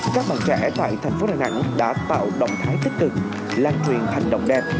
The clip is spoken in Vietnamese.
các bạn trẻ tại thành phố đà nẵng đã tạo động thái tích cực lan truyền hành động đẹp